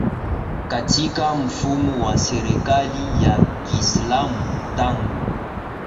katika mfumo wa serekali ya Kiislamu tangu